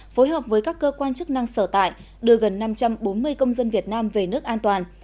phối hợp với các cơ quan chức năng sở tại đưa gần năm trăm bốn mươi công dân việt nam về nước an toàn